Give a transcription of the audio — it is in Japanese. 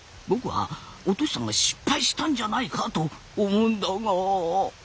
僕はお敏さんが失敗したんじゃないかと思うんだが。